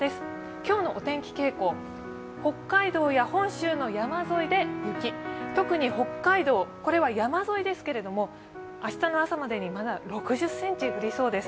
今日のお天気傾向、北海道や本州の山沿いて雪、特に北海道、これは山沿いですけれども、明日の朝までにまだ６０ｃｍ降りそうです。